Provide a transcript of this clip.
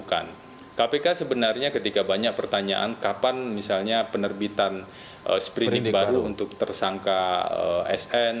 kpk sebenarnya ketika banyak pertanyaan kapan misalnya penerbitan sprindik baru untuk tersangka sn